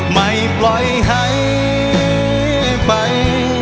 ไม่ปล่อยให้ไป